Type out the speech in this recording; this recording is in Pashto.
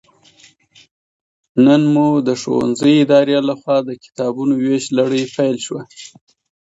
نن مو د ښوونځي ادارې لخوا د کتابونو ويش لړۍ پيل شوه